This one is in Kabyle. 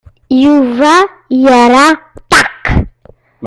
Yuba yerra ṭṭaq.